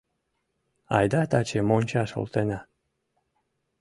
— Айда таче мончаш олтена?